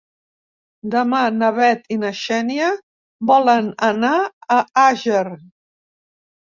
Demà na Bet i na Xènia volen anar a Àger.